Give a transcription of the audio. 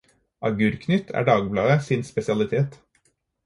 Agurknytt er Dagbladet sin spesialitet.